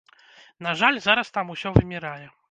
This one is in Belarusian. На жаль, зараз там усё вымірае.